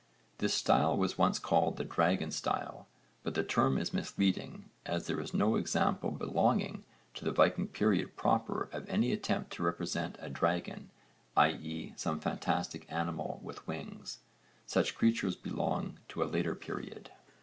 This style was once called the 'dragon style,' but the term is misleading as there is no example belonging to the Viking period proper of any attempt to represent a dragon, i.e. some fantastic animal with wings. Such creatures belong to a later period.